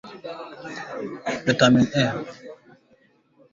viatamin A ni muhimu kwa watoto